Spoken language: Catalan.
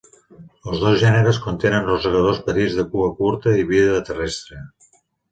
Els dos gèneres contenen rosegadors petits de cua curta i vida terrestre.